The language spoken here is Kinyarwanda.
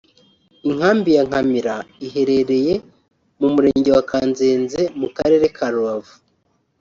Inkambi ya Nkamira iherereye mu Murenge wa Kanzenze mu karere ka Rubavu